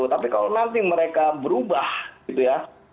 tapi kalau nanti mereka berubah gitu ya